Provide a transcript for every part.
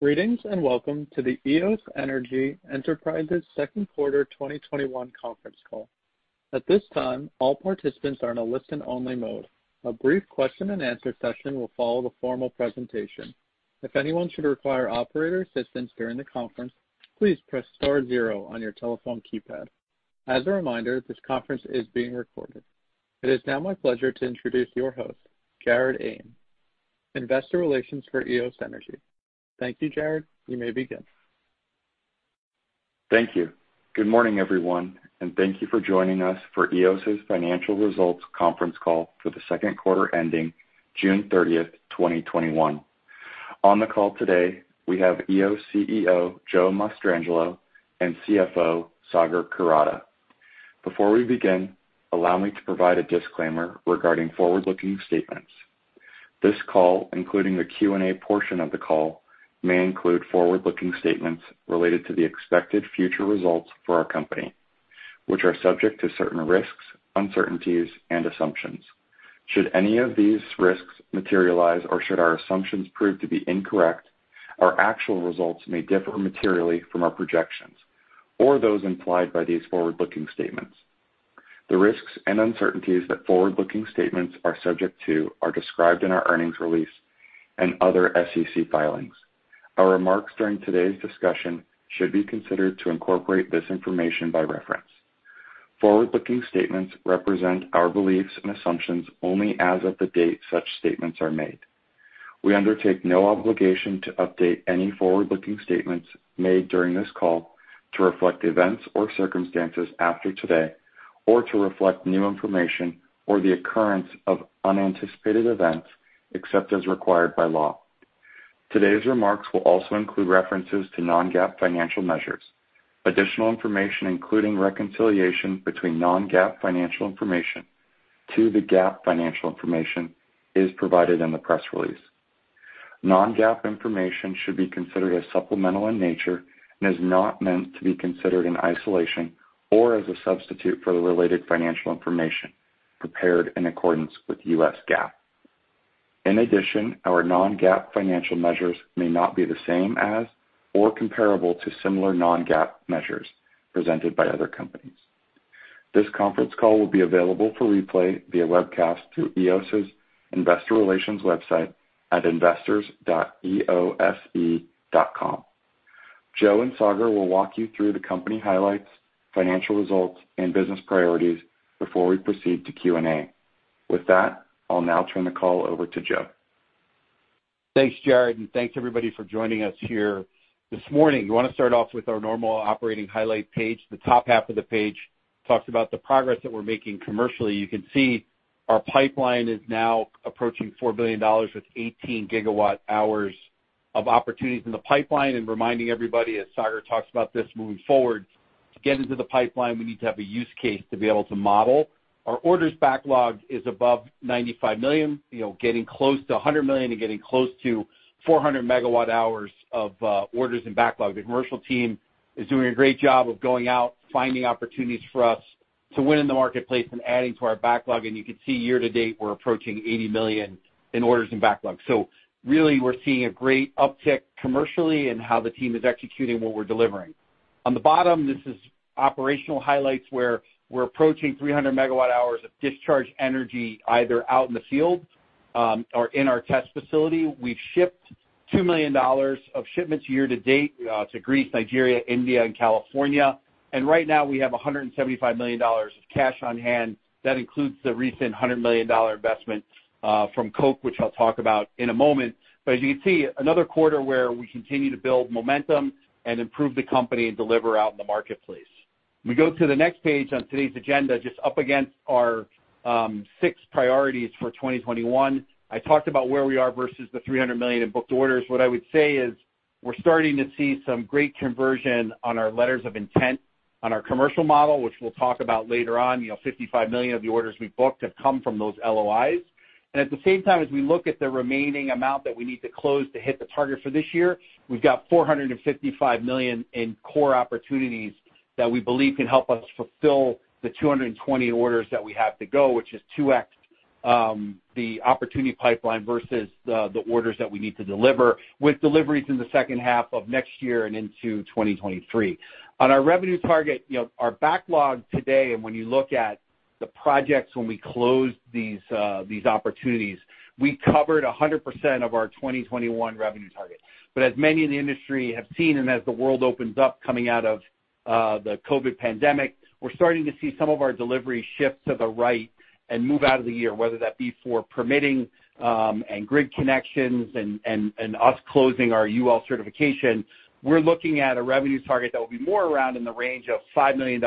Greetings, and welcome to the Eos Energy Enterprises second quarter 2021 conference call. At this time, all participants are in a listen-only mode. A brief question-and-answer session will follow the formal presentation. If anyone should require operator assistance during the conference, please press star zero on your telephone keypad. As a reminder, this conference is being recorded. It is now my pleasure to introduce your host, Jared Ehm, investor relations for Eos Energy. Thank you, Jared. You may begin. Thank you. Good morning, everyone, and thank you for joining us for Eos' financial results conference call for the second quarter ending June 30th, 2021. On the call today, we have Eos CEO, Joe Mastrangelo, and CFO, Sagar Kurada. Before we begin, allow me to provide a disclaimer regarding forward-looking statements. This call, including the Q and A portion of the call, may include forward-looking statements related to the expected future results for our company, which are subject to certain risks, uncertainties, and assumptions. Should any of these risks materialize or should our assumptions prove to be incorrect, our actual results may differ materially from our projections or those implied by these forward-looking statements. The risks and uncertainties that forward-looking statements are subject to are described in our earnings release and other SEC filings. Our remarks during today's discussion should be considered to incorporate this information by reference. Forward-looking statements represent our beliefs and assumptions only as of the date such statements are made. We undertake no obligation to update any forward-looking statements made during this call to reflect events or circumstances after today or to reflect new information or the occurrence of unanticipated events, except as required by law. Today's remarks will also include references to non-GAAP financial measures. Additional information, including reconciliation between non-GAAP financial information to the GAAP financial information, is provided in the press release. Non-GAAP information should be considered as supplemental in nature and is not meant to be considered in isolation or as a substitute for the related financial information prepared in accordance with U.S. GAAP. In addition, our non-GAAP financial measures may not be the same as or comparable to similar non-GAAP measures presented by other companies. This conference call will be available for replay via webcast through Eos' investor relations website at investors.eose.com. Joe and Sagar will walk you through the company highlights, financial results, and business priorities before we proceed to Q and A. With that, I'll now turn the call over to Joe. Thanks, Jared, and thanks everybody for joining us here this morning. We want to start off with our normal operating highlight page. The top half of the page talks about the progress that we're making commercially. You can see our pipeline is now approaching $4 billion with 18 GWh of opportunities in the pipeline. Reminding everybody, as Sagar talks about this moving forward, to get into the pipeline, we need to have a use case to be able to model. Our orders backlog is above $95 million, getting close to $100 million and getting close to 400 MWh of orders in backlog. The commercial team is doing a great job of going out, finding opportunities for us to win in the marketplace, and adding to our backlog. You can see year-to-date, we're approaching $80 million in orders in backlog. Really, we're seeing a great uptick commercially in how the team is executing what we're delivering. On the bottom, this is operational highlights where we're approaching 300 megawatt hours of discharge energy either out in the field or in our test facility. We've shipped $2 million of shipments year to date to Greece, Nigeria, India, and California. Right now, we have $175 million of cash on hand. That includes the recent $100 million investment from Koch, which I'll talk about in a moment. As you can see, another quarter where we continue to build momentum and improve the company and deliver out in the marketplace. When we go to the next page on today's agenda, just up against our six priorities for 2021. I talked about where we are versus the $300 million in booked orders. What I would say is we're starting to see some great conversion on our letters of intent on our commercial model, which we'll talk about later on. $55 million of the orders we've booked have come from those LOIs. At the same time, as we look at the remaining amount that we need to close to hit the target for this year, we've got $455 million in core opportunities that we believe can help us fulfill the 220 orders that we have to go, which is 2x the opportunity pipeline versus the orders that we need to deliver, with deliveries in the second half of next year and into 2023. On our revenue target, our backlog today, and when you look at the projects when we close these opportunities, we covered 100% of our 2021 revenue target. As many in the industry have seen and as the world opens up coming out of the COVID pandemic, we're starting to see some of our deliveries shift to the right and move out of the year, whether that be for permitting and grid connections and us closing our UL certification. We're looking at a revenue target that will be more around in the range of $5 million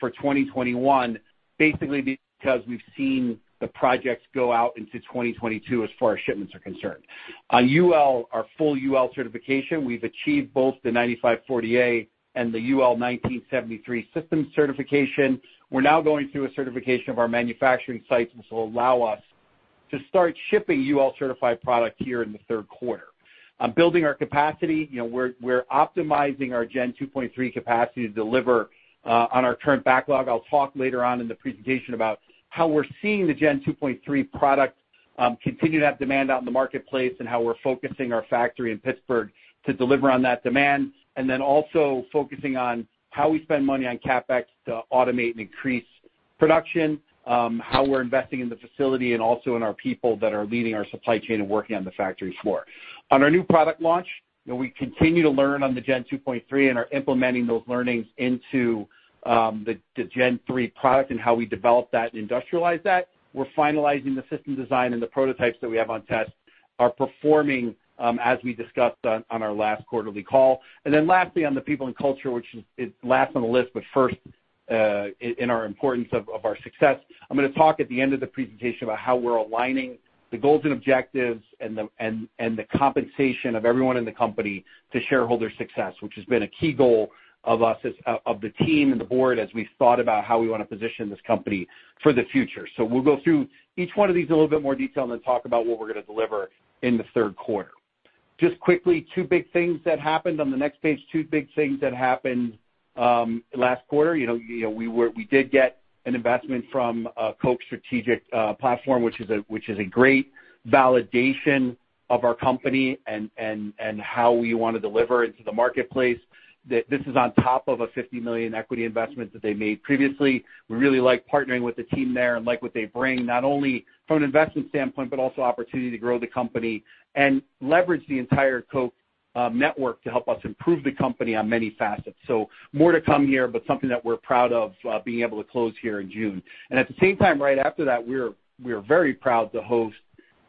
for 2021, basically because we've seen the projects go out into 2022 as far as shipments are concerned. On UL, our full UL certification, we've achieved both the 9540A and the UL 1973 systems certification. We're now going through a certification of our manufacturing sites, which will allow us to start shipping UL-certified product here in the third quarter. On building our capacity, we're optimizing our Gen 2.3 capacity to deliver on our current backlog. I'll talk later on in the presentation about how we're seeing the Gen 2.3 product continue to have demand out in the marketplace and how we're focusing our factory in Pittsburgh to deliver on that demand. Also focusing on how we spend money on CapEx to automate and increase production, how we're investing in the facility and also in our people that are leading our supply chain and working on the factory floor. On our new product launch, we continue to learn on the Gen 2.3 and are implementing those learnings into the Gen 3 product and how we develop that and industrialize that. We're finalizing the system design, and the prototypes that we have on test are performing as we discussed on our last quarterly call. Lastly, on the people and culture, which is last on the list, but first in our importance of our success. I'm going to talk at the end of the presentation about how we're aligning the goals and objectives and the compensation of everyone in the company to shareholder success, which has been a key goal of the team and the board as we've thought about how we want to position this company for the future. We'll go through each one of these in a little bit more detail and then talk about what we're going to deliver in the third quarter. Just quickly, two big things that happened on the next page, two big things that happened last quarter. We did get an investment from Koch Strategic Platforms, which is a great validation of our company and how we want to deliver into the marketplace. This is on top of a $50 million equity investment that they made previously. We really like partnering with the team there and like what they bring, not only from an investment standpoint, but also opportunity to grow the company and leverage the entire Koch network to help us improve the company on many facets. More to come here, but something that we're proud of being able to close here in June. At the same time, right after that, we are very proud to host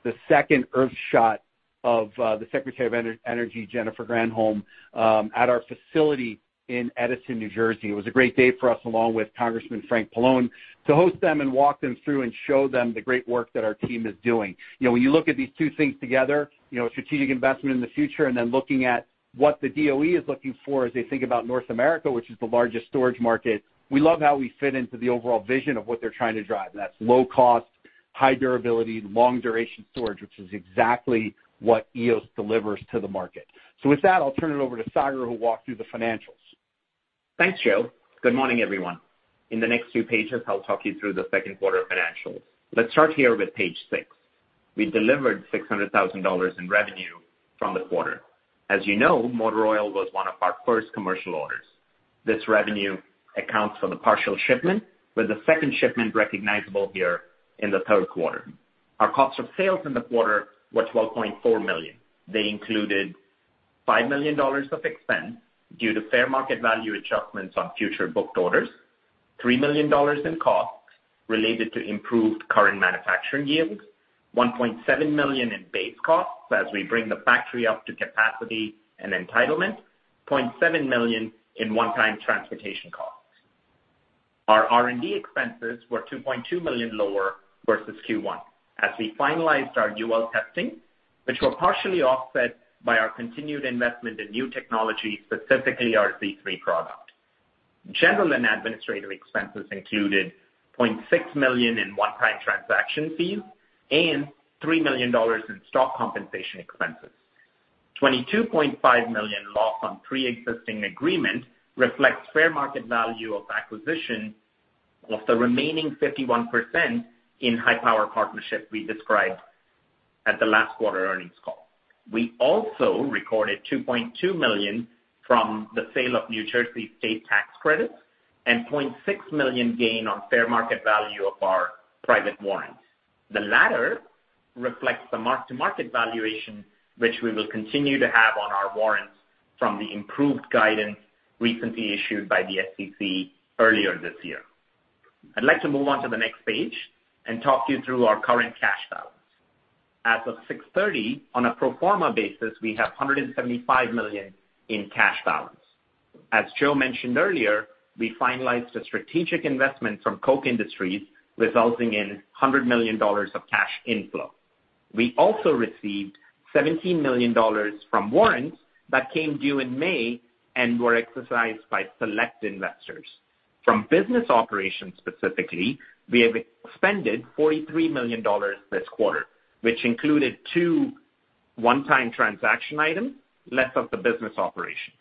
the second Earthshot of the Secretary of Energy, Jennifer Granholm, at our facility in Edison, New Jersey. It was a great day for us, along with Congressman Frank Pallone, to host them and walk them through and show them the great work that our team is doing. When you look at these two things together, strategic investment in the future, and then looking at what the DOE is looking for as they think about North America, which is the largest storage market. We love how we fit into the overall vision of what they're trying to drive, and that's low cost, high durability, long duration storage, which is exactly what Eos delivers to the market. With that, I'll turn it over to Sagar, who'll walk through the financials. Thanks, Joe. Good morning, everyone. In the next few pages, I'll talk you through the second quarter financials. Let's start here with page six. We delivered $600,000 in revenue from the quarter. As you know, Motor Oil was one of our first commercial orders. This revenue accounts for the partial shipment, with the second shipment recognizable here in the third quarter. Our cost of sales in the quarter were $12.4 million. They included $5 million of expense due to fair market value adjustments on future booked orders, $3 million in costs related to improved current manufacturing yields, $1.7 million in base costs as we bring the factory up to capacity and entitlement, $0.7 million in one-time transportation costs. Our R&D expenses were $2.2 million lower versus Q1 as we finalized our UL testing, which were partially offset by our continued investment in new technology, specifically our Z3 product. General and administrative expenses included $0.6 million in one-time transaction fees and $3 million in stock compensation expenses. $22.5 million loss on preexisting agreement reflects fair market value of acquisition of the remaining 51% in HI-POWER partnership we described at the last quarter earnings call. We also recorded $2.2 million from the sale of New Jersey state tax credits and $0.6 million gain on fair market value of our private warrants. The latter reflects the mark-to-market valuation, which we will continue to have on our warrants from the improved guidance recently issued by the SEC earlier this year. I'd like to move on to the next page and talk you through our current cash balance. As of 6/30, on a pro forma basis, we have $175 million in cash balance. As Joe mentioned earlier, we finalized a strategic investment from Koch Industries, resulting in $100 million of cash inflow. We also received $17 million from warrants that came due in May and were exercised by select investors. From business operations specifically, we have expended $43 million this quarter, which included two one-time transaction items, less of the business operations.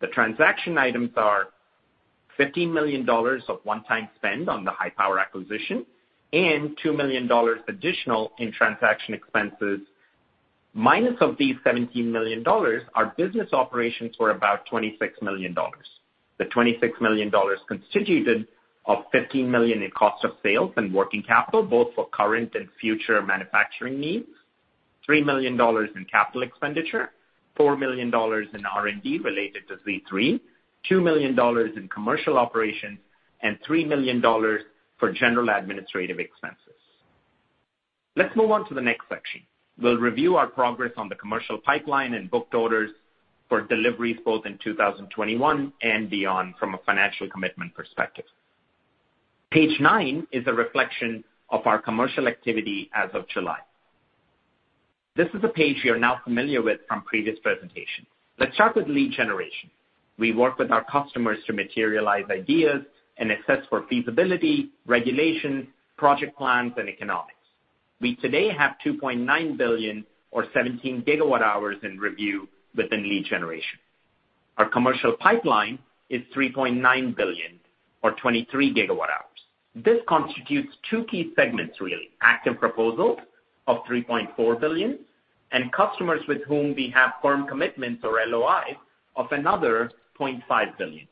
The transaction items are $15 million of one-time spend on the HI-POWER acquisition and $2 million additional in transaction expenses. Minus of these $17 million, our business operations were about $26 million. The $26 million constituted of $15 million in cost of sales and working capital, both for current and future manufacturing needs, $3 million in capital expenditure, $4 million in R&D related to Z3, $2 million in commercial operations, and $3 million for general administrative expenses. Let's move on to the next section. We'll review our progress on the commercial pipeline and booked orders for deliveries both in 2021 and beyond from a financial commitment perspective. Page nine is a reflection of our commercial activity as of July. This is a page you're now familiar with from previous presentations. Let's start with lead generation. We work with our customers to materialize ideas and assess for feasibility, regulation, project plans, and economics. We today have $2.9 billion or 17 GWh in review within lead generation. Our commercial pipeline is $3.9 billion or 23 GWh. This constitutes two key segments, really. Active proposals of $3.4 billion, and customers with whom we have firm commitments or LOI of another $0.5 billion.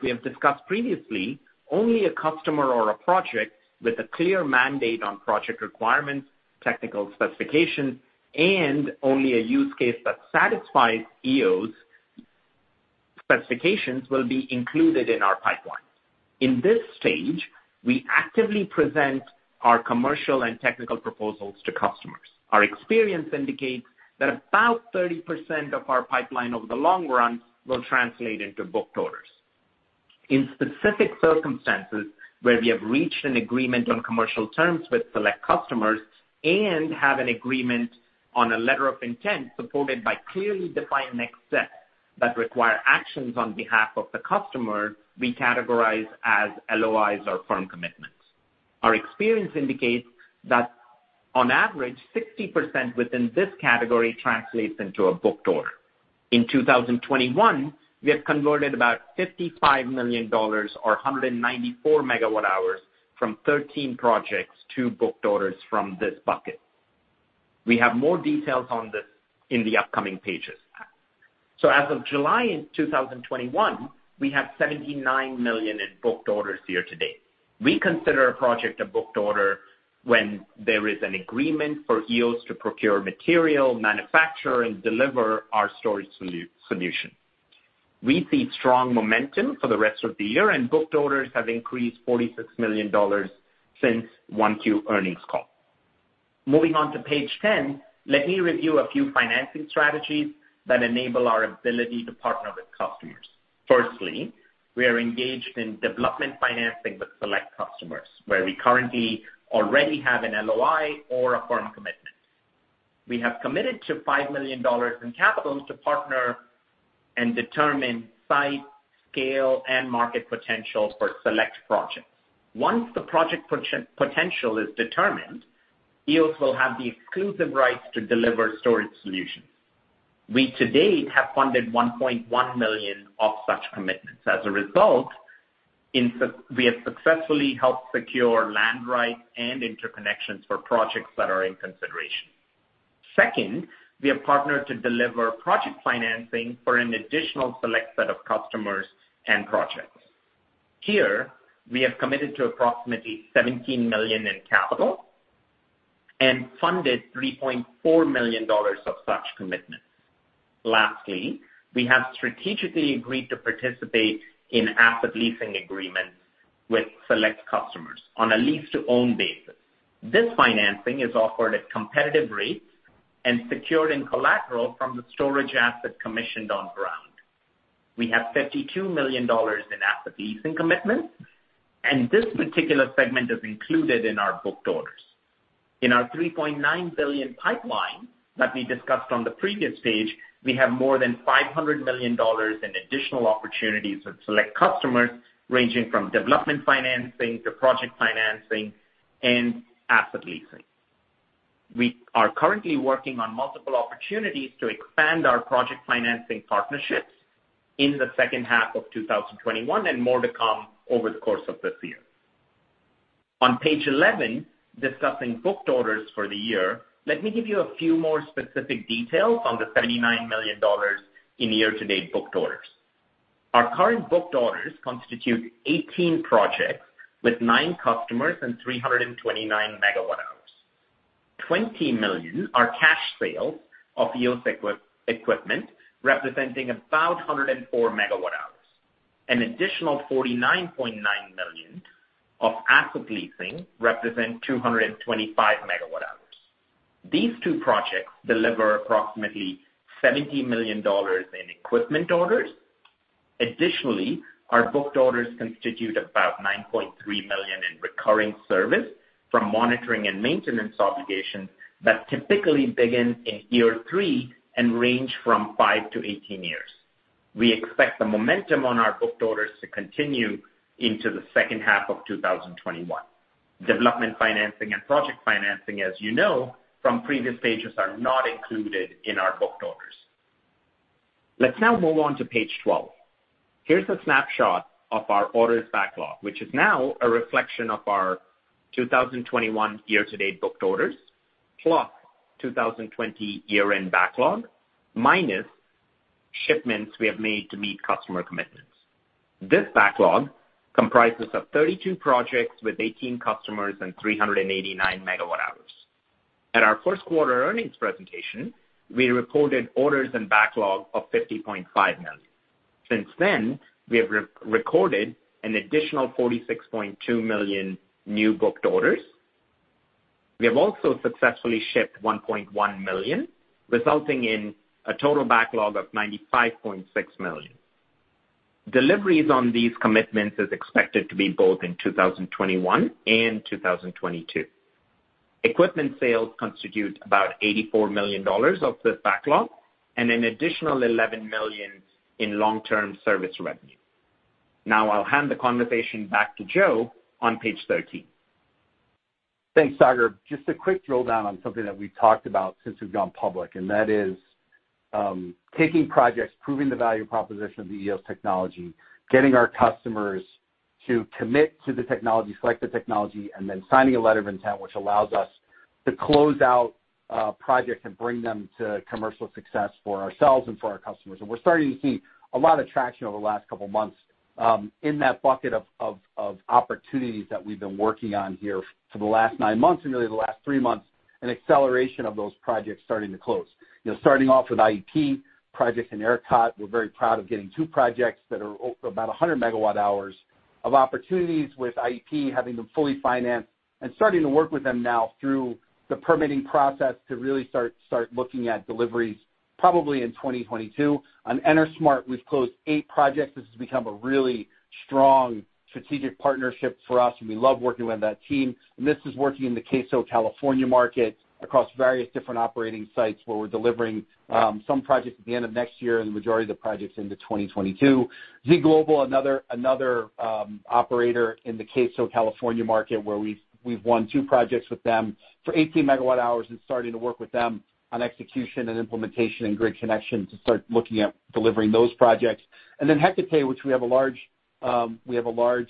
We have discussed previously, only a customer or a project with a clear mandate on project requirements, technical specifications, and only a use case that satisfies Eos' specifications will be included in our pipeline. In this stage, we actively present our commercial and technical proposals to customers. Our experience indicates that about 30% of our pipeline over the long run will translate into booked orders. In specific circumstances where we have reached an agreement on commercial terms with select customers and have an agreement on a letter of intent supported by clearly defined next steps that require actions on behalf of the customer, we categorize as LOIs or firm commitments. Our experience indicates that on average, 60% within this category translates into a booked order. In 2021, we have converted about $55 million or 194 megawatt hours from 13 projects to booked orders from this bucket. We have more details on this in the upcoming pages. As of July in 2021, we have $79 million in booked orders year to date. We consider a project a booked order when there is an agreement for Eos to procure material, manufacture, and deliver our storage solution. We see strong momentum for the rest of the year, and booked orders have increased $46 million since Q1 earnings call. Moving on to page 10, let me review a few financing strategies that enable our ability to partner with customers. Firstly, we are engaged in development financing with select customers, where we currently already have an LOI or a firm commitment. We have committed to $5 million in capital to partner and determine site, scale, and market potential for select projects. Once the project potential is determined, Eos will have the exclusive rights to deliver storage solutions. We to date have funded $1.1 million of such commitments. As a result, we have successfully helped secure land rights and interconnections for projects that are in consideration. Second, we have partnered to deliver project financing for an additional select set of customers and projects. Here, we have committed to approximately $17 million in capital, and funded $3.4 million of such commitments. Lastly, we have strategically agreed to participate in asset leasing agreements with select customers on a lease-to-own basis. This financing is offered at competitive rates and secured in collateral from the storage asset commissioned on ground. We have $52 million in asset leasing commitments, and this particular segment is included in our booked orders. In our $3.9 billion pipeline that we discussed on the previous page, we have more than $500 million in additional opportunities with select customers, ranging from development financing to project financing and asset leasing. We are currently working on multiple opportunities to expand our project financing partnerships in the second half of 2021, and more to come over the course of this year. On page 11, discussing booked orders for the year, let me give you a few more specific details on the $79 million in year-to-date booked orders. Our current booked orders constitute 18 projects with nine customers and 329 MWh. $20 million are cash sales of Eos equipment, representing about 104 MWh. An additional $49.9 million of asset leasing represent 225 MWh. These two projects deliver approximately $70 million in equipment orders. Additionally, our booked orders constitute about $9.3 million in recurring service from monitoring and maintenance obligations that typically begin in year three and range from 5-18 years. We expect the momentum on our booked orders to continue into the second half of 2021. Development financing and project financing, as you know from previous pages, are not included in our booked orders. Let's now move on to page 12. Here's a snapshot of our orders backlog, which is now a reflection of our 2021 year-to-date booked orders, plus 2020 year-end backlog, minus shipments we have made to meet customer commitments. This backlog comprises of 32 projects with 18 customers and 389 megawatt hours. At our first quarter earnings presentation, we reported orders and backlog of $50.5 million. Since then, we have recorded an additional $46.2 million new booked orders. We have also successfully shipped $1.1 million, resulting in a total backlog of $95.6 million. Deliveries on these commitments is expected to be both in 2021 and 2022. Equipment sales constitute about $84 million of this backlog, and an additional $11 million in long-term service revenue. Now I'll hand the conversation back to Joe on page 13. Thanks, Sagar. Just a quick drill down on something that we've talked about since we've gone public, and that is taking projects, proving the value proposition of the Eos technology, getting our customers to commit to the technology, select the technology, and then signing a letter of intent, which allows us to close out projects and bring them to commercial success for ourselves and for our customers. We're starting to see a lot of traction over the last couple of months, in that bucket of opportunities that we've been working on here for the last nine months, and really the last three months, an acceleration of those projects starting to close. Starting off with IEP projects in ERCOT. We're very proud of getting two projects that are about 100 MWh of opportunities with IEP, having them fully financed and starting to work with them now through the permitting process to really start looking at deliveries probably in 2022. On EnerSmart, we've closed eight projects. This has become a really strong strategic partnership for us, and we love working with that team. This is working in the CAISO, California market across various different operating sites where we're delivering some projects at the end of next year and the majority of the projects into 2022. ZGlobal, another operator in the CAISO California market where we've won two projects with them for 18 MWh and starting to work with them on execution and implementation and grid connection to start looking at delivering those projects. Hecate, which we have a large LOI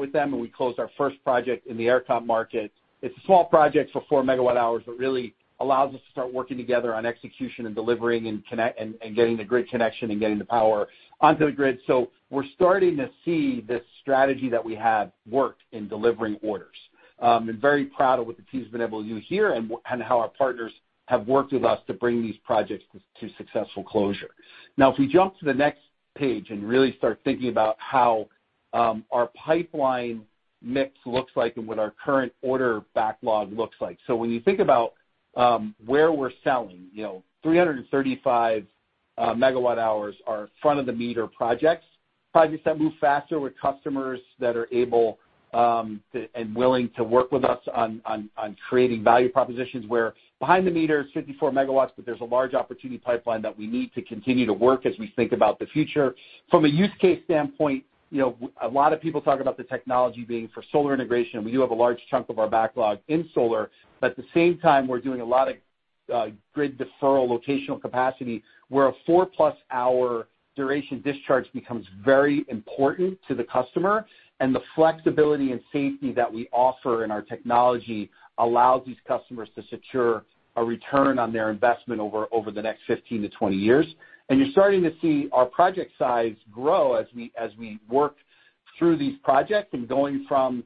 with them, and we closed our first project in the ERCOT market. It's a small project for 4 megawatt-hours, but really allows us to start working together on execution and delivering and getting the grid connection and getting the power onto the grid. We're starting to see this strategy that we have worked in delivering orders. I'm very proud of what the team's been able to do here and how our partners have worked with us to bring these projects to successful closure. If we jump to the next page and really start thinking about how our pipeline mix looks like and what our current order backlog looks like. When you think about where we're selling, 335 megawatt-hours are front-of-the-meter projects that move faster with customers that are able and willing to work with us on creating value propositions, where behind the meter is 54 megawatts, but there's a large opportunity pipeline that we need to continue to work as we think about the future. From a use case standpoint, a lot of people talk about the technology being for solar integration. We do have a large chunk of our backlog in solar, but at the same time, we're doing a lot of grid deferral locational capacity where a 4+ hour duration discharge becomes very important to the customer, and the flexibility and safety that we offer in our technology allows these customers to secure a return on their investment over the next 15-20 years. You're starting to see our project size grow as we work through these projects and going from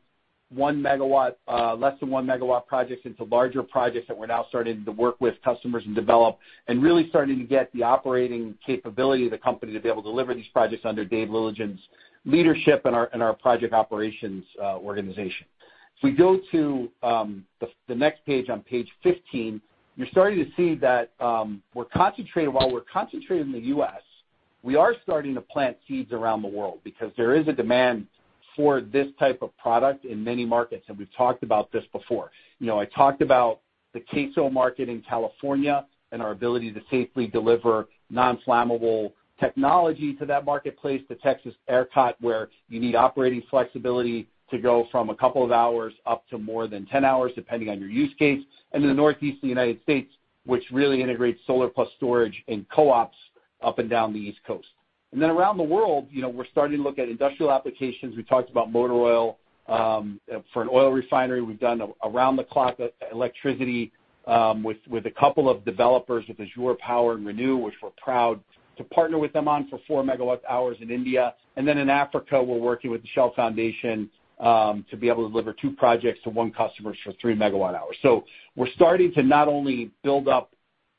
less than 1 MW projects into larger projects that we're now starting to work with customers and develop and really starting to get the operating capability of the company to be able to deliver these projects under David Leligdon's leadership and our project operations organization. If we go to the next page, on page 15, you're starting to see that while we're concentrated in the U.S., we are starting to plant seeds around the world because there is a demand for this type of product in many markets, and we've talked about this before. I talked about the CAISO market in California and our ability to safely deliver non-flammable technology to that marketplace. The Texas ERCOT, where you need operating flexibility to go from a couple of hours up to more than 10 hours, depending on your use case. In the Northeast of the U.S., which really integrates solar plus storage and co-ops up and down the East Coast. Around the world, we're starting to look at industrial applications. We talked about Motor Oil for an oil refinery. We've done around-the-clock electricity with a couple of developers with Azure Power and ReNew, which we're proud to partner with them on for 4 megawatt-hours in India. In Africa, we're working with the Shell Foundation, to be able to deliver two projects to one customer for 3 megawatt-hours. We're starting to not only build up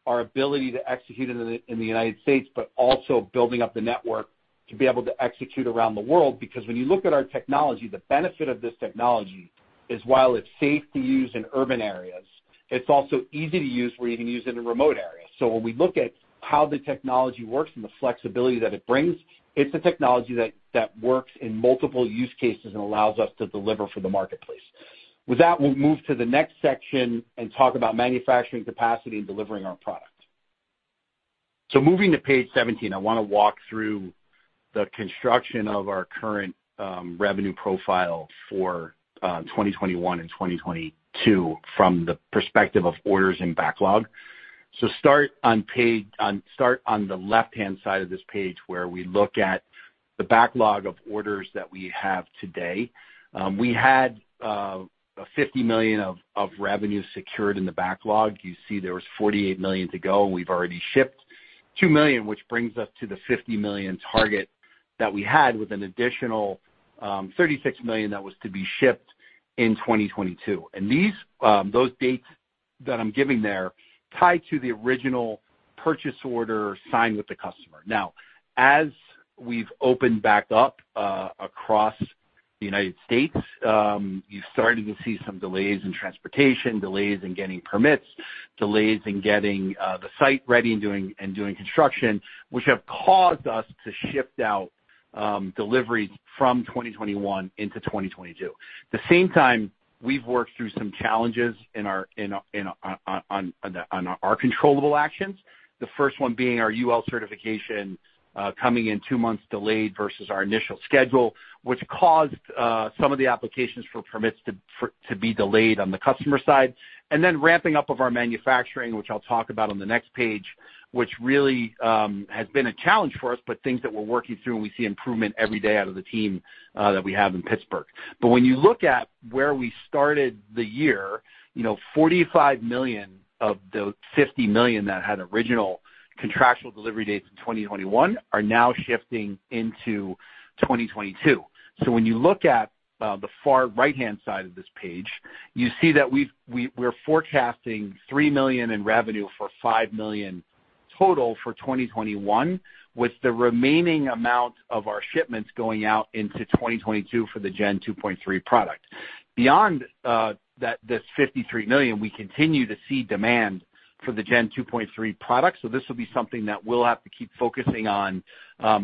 our ability to execute in the U.S., but also building up the network to be able to execute around the world. When you look at our technology, the benefit of this technology is while it's safe to use in urban areas, it's also easy to use where you can use it in remote areas. When we look at how the technology works and the flexibility that it brings, it's a technology that works in multiple use cases and allows us to deliver for the marketplace. With that, we'll move to the next section and talk about manufacturing capacity and delivering our product. Moving to page 17, I want to walk through the construction of our current revenue profile for 2021 and 2022 from the perspective of orders and backlog. Start on the left-hand side of this page where we look at the backlog of orders that we have today. We had $50 million of revenue secured in the backlog. You see there was $48 million to go. We've already shipped $2 million, which brings us to the $50 million target that we had with an additional $36 million that was to be shipped in 2022. Those dates that I'm giving there tie to the original purchase order signed with the customer. As we've opened back up across the U.S., you're starting to see some delays in transportation, delays in getting permits, delays in getting the site ready and doing construction, which have caused us to shift out delivery from 2021 into 2022. At the same time, we've worked through some challenges on our controllable actions. The first one being our UL certification coming in two months delayed versus our initial schedule, which caused some of the applications for permits to be delayed on the customer side. Ramping up of our manufacturing, which I'll talk about on the next page, which really has been a challenge for us, but things that we're working through, and we see improvement every day out of the team that we have in Pittsburgh. When you look at where we started the year, $45 million of the $50 million that had original contractual delivery dates in 2021 are now shifting into 2022. When you look at the far right-hand side of this page, you see that we're forecasting $3 million in revenue for $5 million total for 2021, with the remaining amount of our shipments going out into 2022 for the Gen 2.3 product. Beyond this $53 million, we continue to see demand for the Gen 2.3 product. This will be something that we'll have to keep focusing on.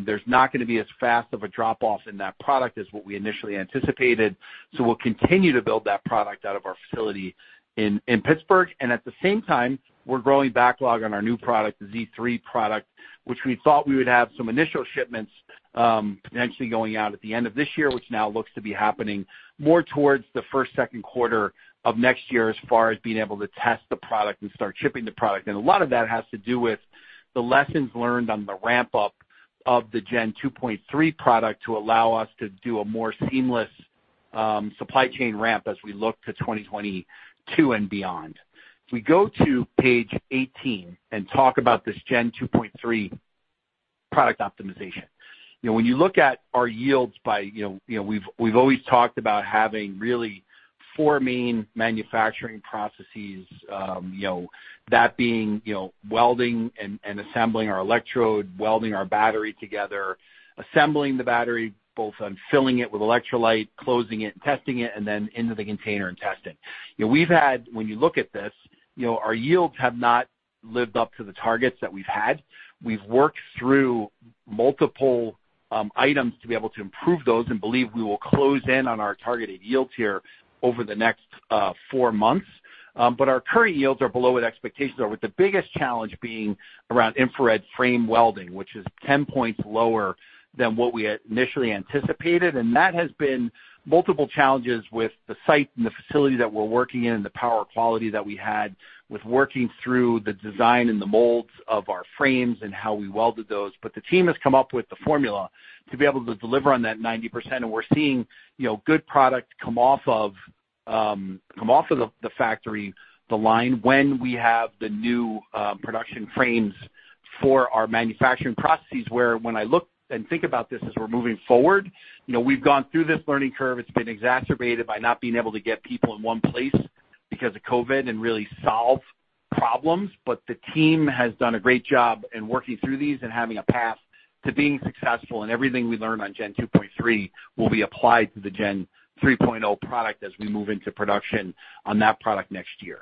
There's not going to be as fast of a drop-off in that product as what we initially anticipated. We'll continue to build that product out of our facility in Pittsburgh. At the same time, we're growing backlog on our new product, the Z3 product, which we thought we would have some initial shipments potentially going out at the end of this year, which now looks to be happening more towards the first, second quarter of next year as far as being able to test the product and start shipping the product. A lot of that has to do with the lessons learned on the ramp-up of the Gen 2.3 product to allow us to do a more seamless supply chain ramp as we look to 2022 and beyond. If we go to page 18 and talk about this Gen 2.3 product optimization. We've always talked about having really four main manufacturing processes, that being welding and assembling our electrode, welding our battery together, assembling the battery, both on filling it with electrolyte, closing it and testing it, and then into the container and testing. When you look at this, our yields have not lived up to the targets that we've had. We've worked through multiple items to be able to improve those and believe we will close in on our targeted yields here over the next four months. Our current yields are below what expectations are, with the biggest challenge being around infrared frame welding, which is 10 points lower than what we initially anticipated. That has been multiple challenges with the site and the facility that we're working in and the power quality that we had with working through the design and the molds of our frames and how we welded those. The team has come up with the formula to be able to deliver on that 90%, and we're seeing good product come off of the factory, the line, when we have the new production frames for our manufacturing processes, where when I look and think about this as we're moving forward, we've gone through this learning curve. It's been exacerbated by not being able to get people in one place because of COVID and really solve problems. The team has done a great job in working through these and having a path to being successful, and everything we learn on Gen 2.3 will be applied to the Gen 3.0 product as we move into production on that product next year.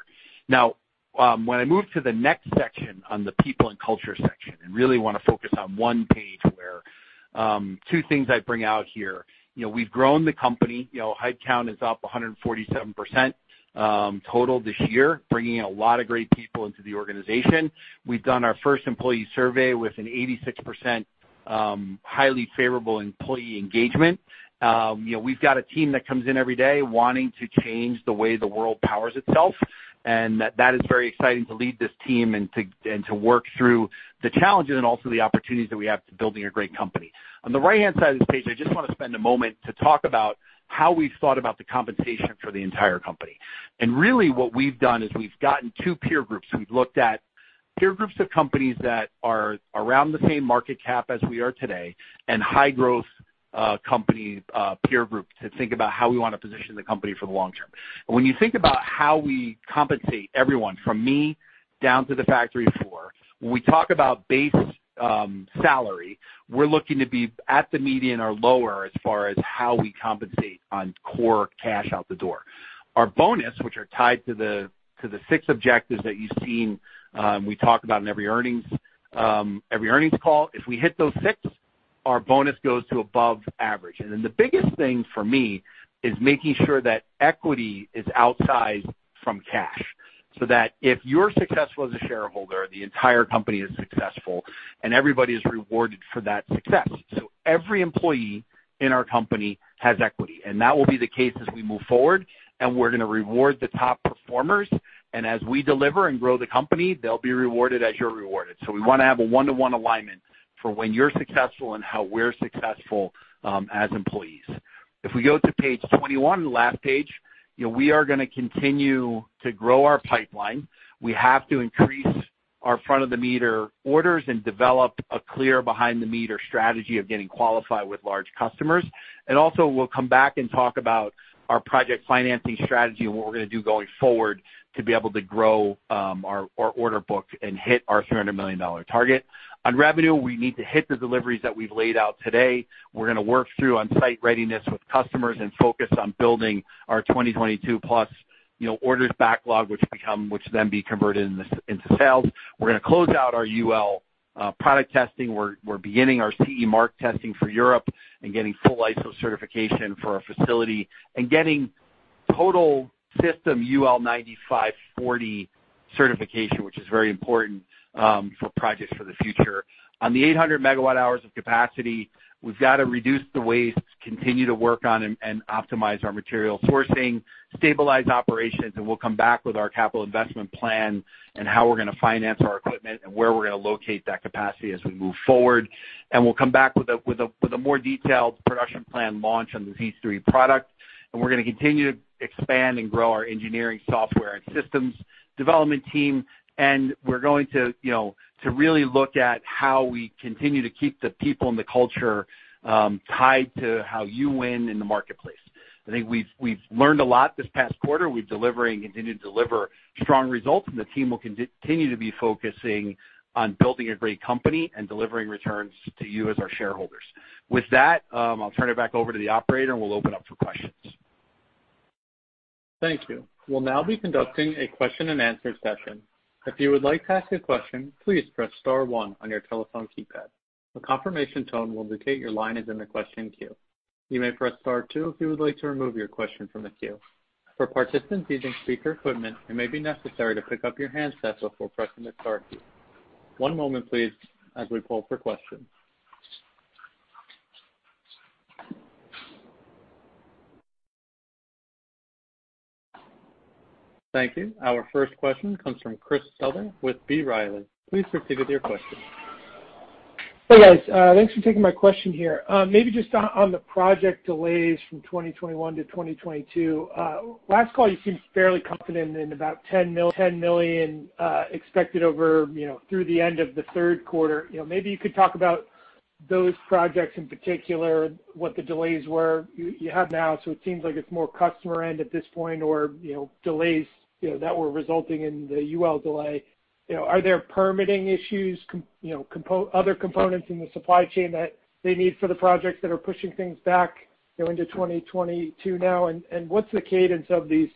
When I move to the next section on the people and culture section, and really want to focus on one page where two things I bring out here. We've grown the company. Headcount is up 147% total this year, bringing a lot of great people into the organization. We've done our first employee survey with an 86% highly favorable employee engagement. We've got a team that comes in every day wanting to change the way the world powers itself, and that is very exciting to lead this team and to work through the challenges and also the opportunities that we have to building a great company. On the right-hand side of the page, I just want to spend a moment to talk about how we've thought about the compensation for the entire company. Really what we've done is we've gotten two peer groups. We've looked at peer groups of companies that are around the same market cap as we are today and high-growth company peer group to think about how we want to position the company for the long term. When you think about how we compensate everyone, from me down to the factory floor, when we talk about base salary, we're looking to be at the median or lower as far as how we compensate on core cash out the door. Our bonus, which are tied to the six objectives that you've seen we talk about in every earnings call, if we hit those six, our bonus goes to above average. The biggest thing for me is making sure that equity is outside from cash, so that if you're successful as a shareholder, the entire company is successful, and everybody is rewarded for that success. Every employee in our company has equity, and that will be the case as we move forward, and we're going to reward the top performers. As we deliver and grow the company, they'll be rewarded as you're rewarded. We want to have a one-to-one alignment for when you're successful and how we're successful as employees. If we go to page 21, the last page, we are going to continue to grow our pipeline. We have to increase our front-of-the-meter orders and develop a clear behind-the-meter strategy of getting qualified with large customers. Also, we'll come back and talk about our project financing strategy and what we're going to do going forward to be able to grow our order book and hit our $300 million target. On revenue, we need to hit the deliveries that we've laid out today. We're going to work through on-site readiness with customers and focus on building our 2022 plus orders backlog, which then be converted into sales. We're going to close out our UL product testing. We're beginning our CE mark testing for Europe and getting full ISO certification for our facility and getting total system UL9540 certification, which is very important for projects for the future. On the 800 megawatt hours of capacity, we've got to reduce the waste, continue to work on and optimize our material sourcing, stabilize operations, and we'll come back with our capital investment plan and how we're going to finance our equipment and where we're going to locate that capacity as we move forward. We'll come back with a more detailed production plan launch on the Z3 product. We're going to continue to expand and grow our engineering software and systems development team. We're going to really look at how we continue to keep the people and the culture tied to how you win in the marketplace. I think we've learned a lot this past quarter. We've delivered and continue to deliver strong results, and the team will continue to be focusing on building a great company and delivering returns to you as our shareholders. With that, I'll turn it back over to the operator, and we'll open up for questions. Thank you. We'll now be conducting a question-and-answer session. If you would like to ask a question, please press star one on your telephone keypad. A confirmation tone will indicate your line is in the question queue. You may press star two if you would like to remove your question from the queue. For participants using speaker equipment, it may be necessary to pick up your handset before pressing the star key. One moment please as we poll for questions. Thank you. Our first question comes from Christopher Souther with B. Riley. Please proceed with your question. Hey, guys. Thanks for taking my question here. Just on the project delays from 2021 to 2022. Last call, you seemed fairly confident in about $10 million expected over through the end of the third quarter. You could talk about those projects in particular, what the delays were. You have now, so it seems like it's more customer end at this point or delays that were resulting in the UL delay. Are there permitting issues, other components in the supply chain that they need for the projects that are pushing things back into 2022 now? What's the cadence of these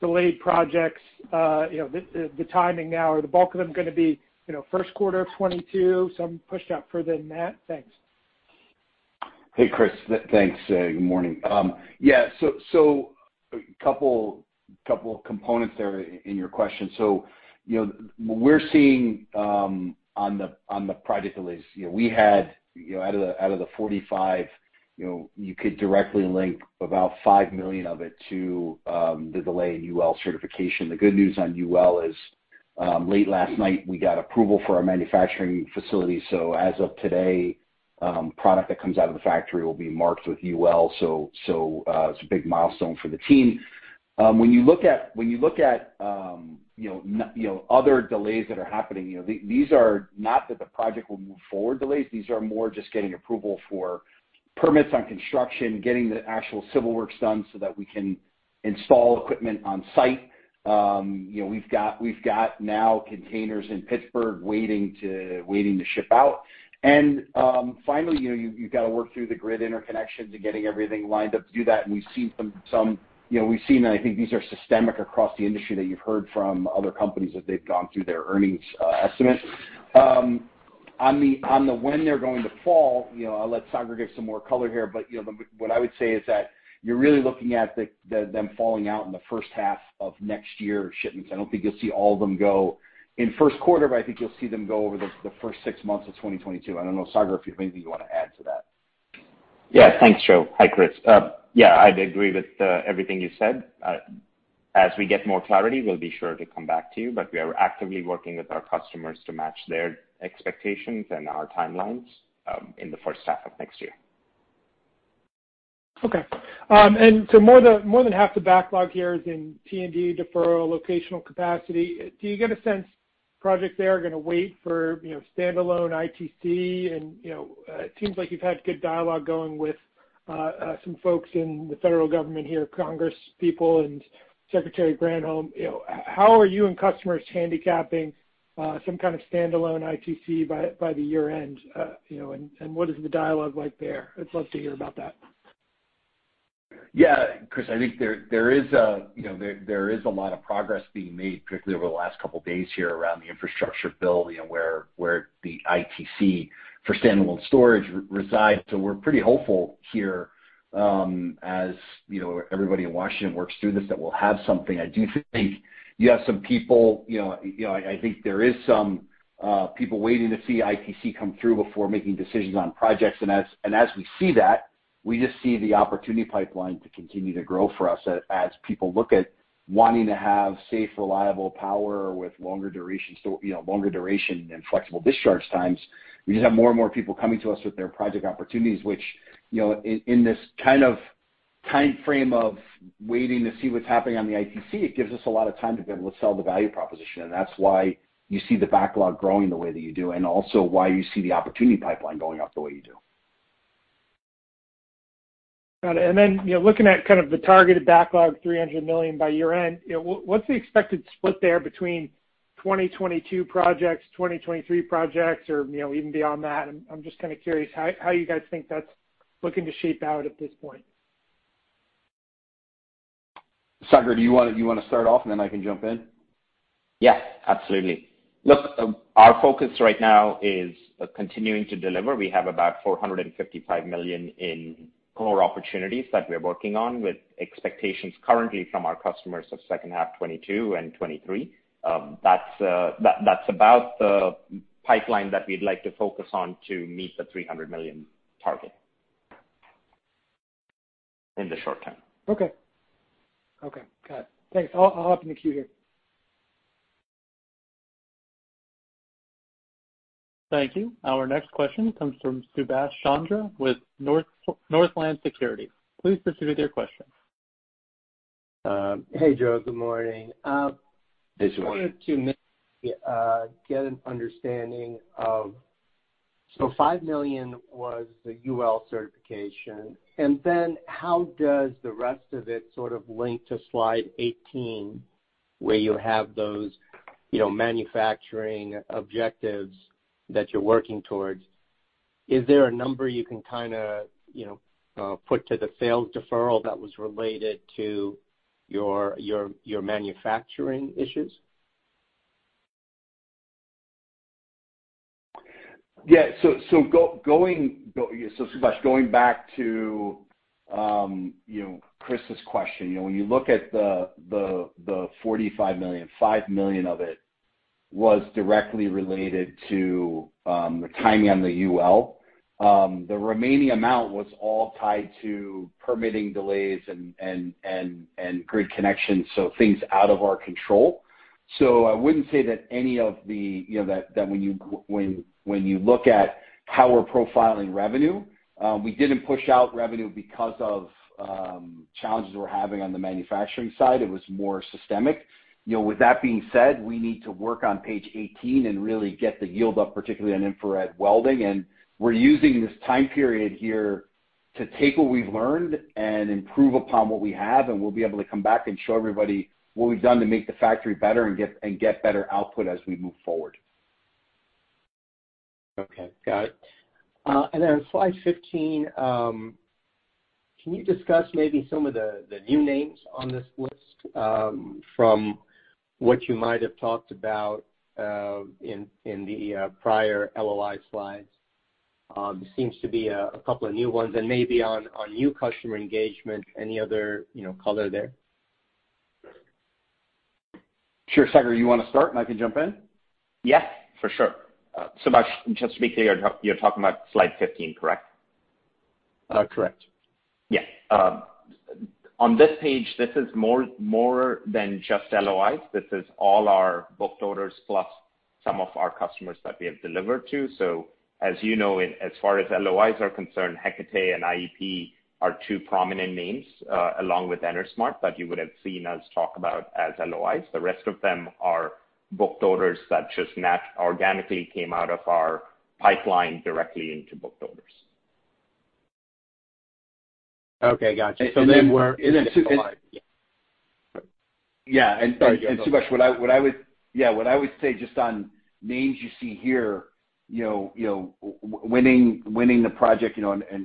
delayed projects, the timing now? Are the bulk of them going to be first quarter of 2022, some pushed out further than that? Thanks. Hey, Christopher. Thanks. Good morning. A couple of components there in your question. We're seeing on the project delays, we had out of the 45, you could directly link about $5 million of it to the delay in UL certification. The good news on UL is late last night, we got approval for our manufacturing facility. As of today, product that comes out of the factory will be marked with UL, so it's a big milestone for the team. When you look at other delays that are happening, these are not that the project will move forward delays. These are more just getting approval for permits on construction, getting the actual civil works done so that we can install equipment on site. We've got now containers in Pittsburgh waiting to ship out. Finally, you've got to work through the grid interconnection to getting everything lined up to do that. We've seen, I think these are systemic across the industry that you've heard from other companies that they've gone through their earnings estimates. On when they're going to fall, I'll let Sagar give some more color here, but what I would say is that you're really looking at them falling out in the first half of next year shipments. I don't think you'll see all of them go in first quarter, but I think you'll see them go over the first six months of 2022. I don't know, Sagar, if you have anything you want to add to that. Yeah. Thanks, Joe. Hi, Christopher. Yeah, I'd agree with everything you said. As we get more clarity, we'll be sure to come back to you, but we are actively working with our customers to match their expectations and our timelines in the first half of next year. Okay. More than half the backlog here is in T&D deferral locational capacity. Do you get a sense projects there are going to wait for standalone ITC? It seems like you've had good dialogue going with some folks in the federal government here, Congress people, and Secretary Granholm. How are you and customers handicapping some kind of standalone ITC by the year-end? What is the dialogue like there? I'd love to hear about that. Yeah, Christopher, I think there is a lot of progress being made, particularly over the last couple of days here around the infrastructure bill, where the ITC for standalone storage resides. We're pretty hopeful here as everybody in Washington works through this, that we'll have something. I do think there is some people waiting to see ITC come through before making decisions on projects. As we see that, we just see the opportunity pipeline to continue to grow for us as people look at wanting to have safe, reliable power with longer duration and flexible discharge times. We just have more and more people coming to us with their project opportunities, which in this kind of timeframe of waiting to see what's happening on the ITC, it gives us a lot of time to be able to sell the value proposition. That's why you see the backlog growing the way that you do, and also why you see the opportunity pipeline going up the way you do. Got it. Looking at kind of the targeted backlog, $300 million by year-end, what's the expected split there between 2022 projects, 2023 projects, or even beyond that? I'm just kind of curious how you guys think that's looking to shape out at this point. Sagar, do you want to start off and then I can jump in? Yes, absolutely. Look, our focus right now is continuing to deliver. We have about $455 million in core opportunities that we're working on with expectations currently from our customers of second half 2022 and 2023. That's about the pipeline that we'd like to focus on to meet the $300 million target in the short term. Okay. Got it. Thanks. I'll hop in the queue here. Thank you. Our next question comes from Subash Chandra with Northland Securities. Please proceed with your question. Hey, Joe. Good morning. Hey, Subash. $5 million was the UL certification. How does the rest of it sort of link to slide 18, where you have those manufacturing objectives that you're working towards? Is there a number you can put to the sales deferral that was related to your manufacturing issues? Yeah. Subash, going back to Christopher's question. When you look at the $45 million, $5 million of it was directly related to the timing on the UL. The remaining amount was all tied to permitting delays and grid connections, things out of our control. I wouldn't say that when you look at how we're profiling revenue, we didn't push out revenue because of challenges we're having on the manufacturing side. It was more systemic. With that being said, we need to work on page 18 and really get the yield up, particularly on infrared welding. We're using this time period here to take what we've learned and improve upon what we have, we'll be able to come back and show everybody what we've done to make the factory better and get better output as we move forward. Okay. Got it. Slide 15, can you discuss maybe some of the new names on this list from what you might have talked about in the prior LOI slides? There seems to be a couple of new ones and maybe on new customer engagement, any other color there? Sure. Sagar, you want to start and I can jump in? Yes, for sure. Subash, just to be clear, you're talking about slide 15, correct? Correct. Yeah. On this page, this is more than just LOIs. This is all our booked orders plus some of our customers that we have delivered to. As you know, as far as LOIs are concerned, Hecate and IEP are two prominent names, along with EnerSmart, that you would have seen us talk about as LOIs. The rest of them are booked orders that just organically came out of our pipeline directly into booked orders. Okay. Got you. Subash what I would say just on names you see here, winning the project,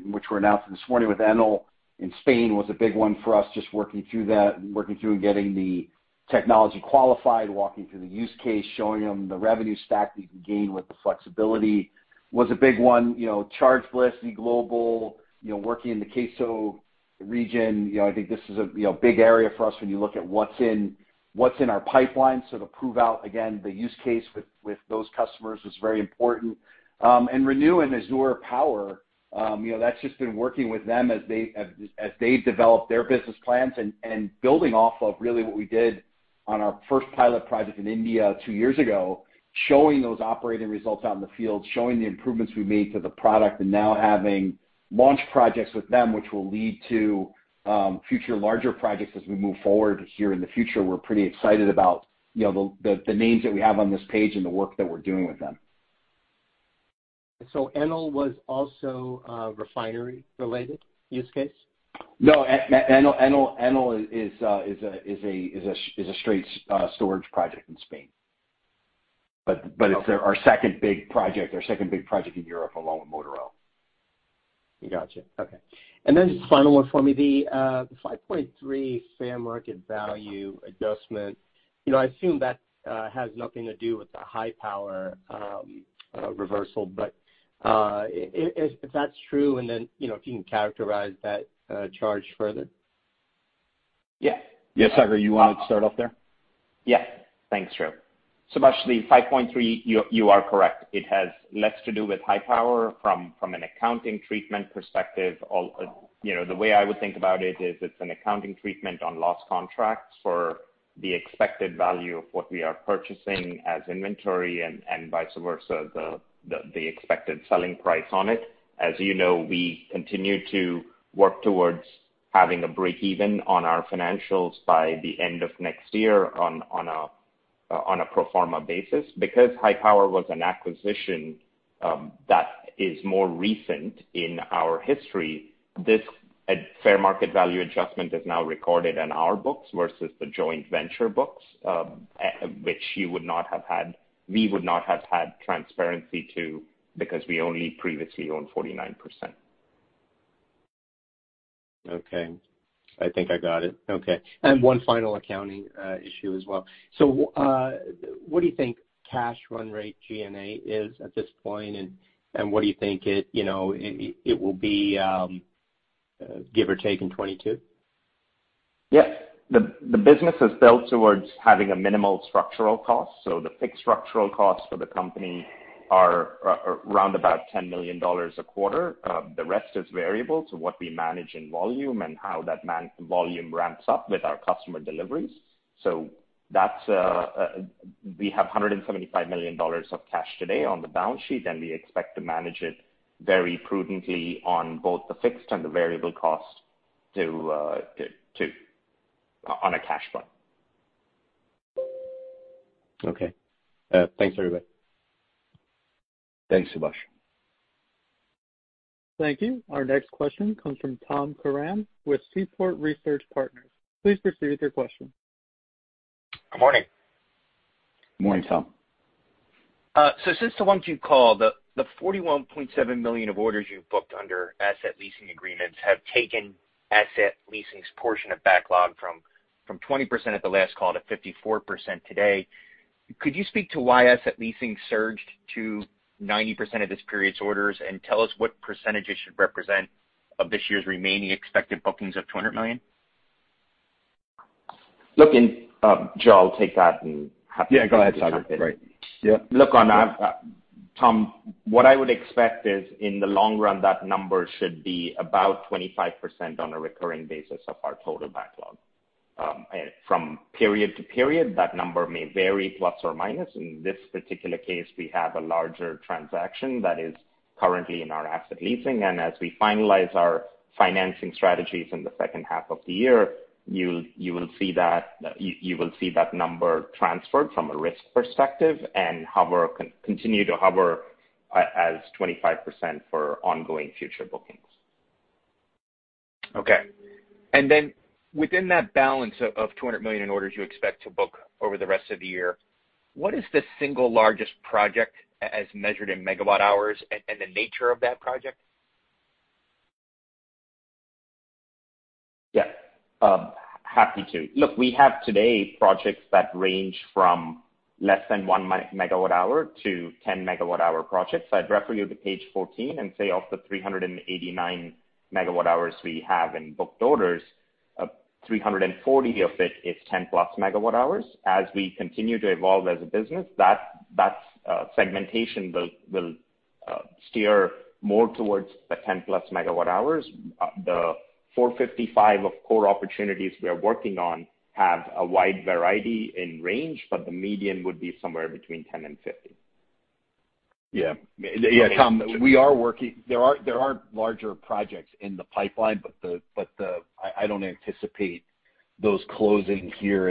which were announced this morning with Enel in Spain was a big one for us, just working through that and getting the technology qualified, walking through the use case, showing them the revenue stack that you can gain with the flexibility was a big one. Charge Bliss, ZGlobal, working in the CAISO region, I think this is a big area for us when you look at what's in our pipeline. To prove out, again, the use case with those customers was very important. ReNew and Azure Power, that's just been working with them as they've developed their business plans and building off of really what we did on our first pilot project in India two years ago, showing those operating results out in the field, showing the improvements we made to the product, and now having launch projects with them, which will lead to future larger projects as we move forward here in the future. We're pretty excited about the names that we have on this page and the work that we're doing with them. Enel was also refinery-related use case? No. Enel is a straight storage project in Spain. It's our second big project in Europe, along with Motor Oil. Got you. Okay. Then just final one for me, the $5.3 fair market value adjustment, I assume that has nothing to do with the HI-POWER reversal. If that's true, if you can characterize that charge further? Yeah. Yeah, Sagar, you want to start off there? Yeah. Thanks, Joe. Subash, the 5.3, you are correct. It has less to do with HI-POWER from an accounting treatment perspective. The way I would think about it is it's an accounting treatment on lost contracts for the expected value of what we are purchasing as inventory and vice versa, the expected selling price on it. As you know, we continue to work towards having a breakeven on our financials by the end of next year on a pro forma basis. Because HI-POWER was an acquisition that is more recent in our history, this fair market value adjustment is now recorded in our books versus the joint venture books, which we would not have had transparency to, because we only previously owned 49%. Okay. I think I got it. Okay. One final accounting issue as well. What do you think cash run rate G&A is at this point, and what do you think it will be, give or take, in 2022? Yes. The business is built towards having a minimal structural cost. The fixed structural costs for the company are around about $10 million a quarter. The rest is variable to what we manage in volume and how that volume ramps up with our customer deliveries. We have $175 million of cash today on the balance sheet, and we expect to manage it very prudently on both the fixed and the variable cost on a cash run. Okay. Thanks, everybody. Thanks, Subash. Thank you. Our next question comes from Tom Curran with Seaport Research Partners. Please proceed with your question. Good morning. Good morning, Tom. Since the Q1 call, the $41.7 million of orders you've booked under asset leasing agreements have taken asset leasing's portion of backlog from 20% at the last call to 54% today. Could you speak to why asset leasing surged to 90% of this period's orders, and tell us what percentage it should represent of this year's remaining expected bookings of $200 million? Look, Joe, I'll take that. Yeah, go ahead, Sagar. Look, Tom, what I would expect is, in the long run, that number should be about 25% on a recurring basis of our total backlog. From period to period, that number may vary plus or minus. In this particular case, we have a larger transaction that is currently in our asset leasing, and as we finalize our financing strategies in the second half of the year, you will see that number transferred from a risk perspective and continue to hover as 25% for ongoing future bookings. Okay. Within that balance of $200 million in orders you expect to book over the rest of the year, what is the single largest project, as measured in megawatt hours, and the nature of that project? Yeah. Happy to. Look, we have today projects that range from less than 1 megawatt hour to 10-megawatt hour projects. I'd refer you to page 14 and say of the 389 megawatt hours we have in booked orders, 340 of it is 10+ megawatt hours. As we continue to evolve as a business, that segmentation will steer more towards the 10+ megawatt hours. The 455 of core opportunities we are working on have a wide variety in range, but the median would be somewhere between 10 and 50. Yeah. Tom, there are larger projects in the pipeline, but I don't anticipate those closing here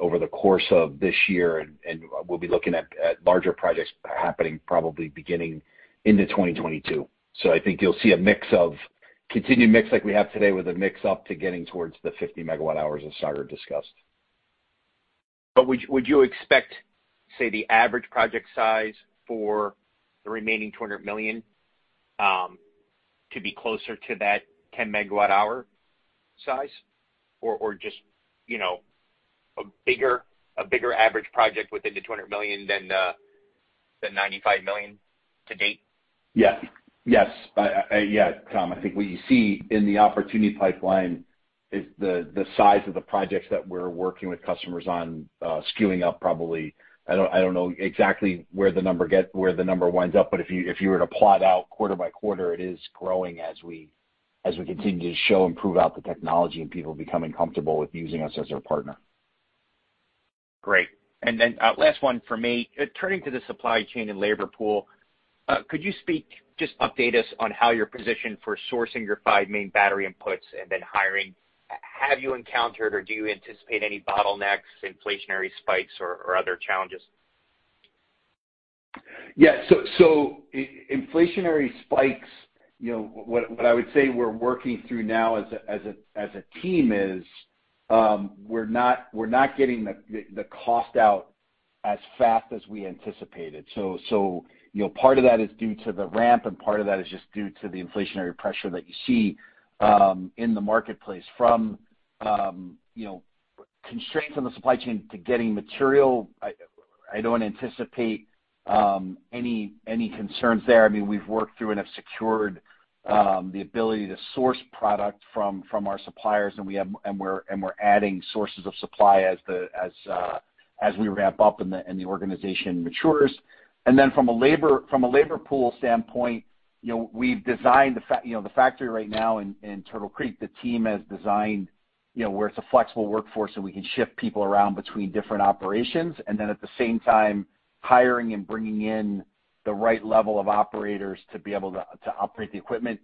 over the course of this year, and we'll be looking at larger projects happening probably beginning into 2022. I think you'll see a continued mix like we have today, with a mix up to getting towards the 50 megawatt hours as Sagar discussed. Would you expect, say, the average project size for the remaining $200 million to be closer to that 10-megawatt hour size? Or just a bigger average project within the $200 million than the $95 million to date? Yes. Tom, I think what you see in the opportunity pipeline is the size of the projects that we're working with customers on skewing up probably. I don't know exactly where the number winds up, but if you were to plot out quarter by quarter, it is growing as we continue to show and prove out the technology, and people becoming comfortable with using us as their partner. Great. Last one from me. Turning to the supply chain and labor pool, could you just update us on how you're positioned for sourcing your five main battery inputs and then hiring? Have you encountered or do you anticipate any bottlenecks, inflationary spikes, or other challenges? Inflationary spikes, what I would say we're working through now as a team is we're not getting the cost out as fast as we anticipated. Part of that is due to the ramp, and part of that is just due to the inflationary pressure that you see in the marketplace. From constraints on the supply chain to getting material, I don't anticipate any concerns there. We've worked through and have secured the ability to source product from our suppliers, and we're adding sources of supply as we ramp up and the organization matures. From a labor pool standpoint, the factory right now in Turtle Creek, the team has designed where it's a flexible workforce, so we can shift people around between different operations, and then at the same time, hiring and bringing in the right level of operators to be able to operate the equipment.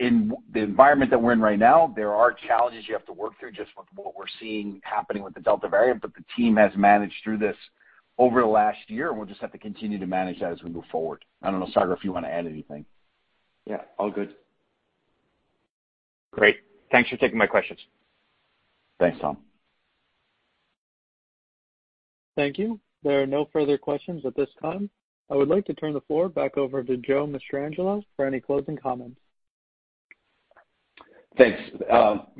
In the environment that we're in right now, there are challenges you have to work through, just with what we're seeing happening with the Delta variant, but the team has managed through this over the last year, and we'll just have to continue to manage that as we move forward. I don't know, Sagar, if you want to add anything. Yeah, all good. Great. Thanks for taking my questions. Thanks, Tom. Thank you. There are no further questions at this time. I would like to turn the floor back over to Joe Mastrangelo for any closing comments. Thanks.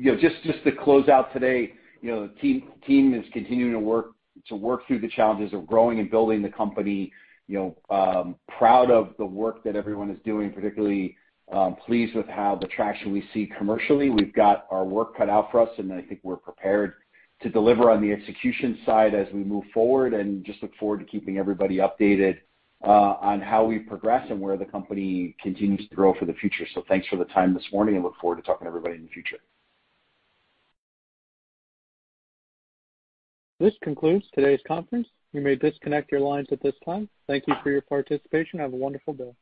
Just to close out today, the team is continuing to work through the challenges of growing and building the company. Proud of the work that everyone is doing, particularly pleased with how the traction we see commercially. We've got our work cut out for us, and I think we're prepared to deliver on the execution side as we move forward. Just look forward to keeping everybody updated on how we progress and where the company continues to grow for the future. Thanks for the time this morning, and look forward to talking to everybody in the future. This concludes today's conference. You may disconnect your lines at this time. Thank you for your participation. Have a wonderful day.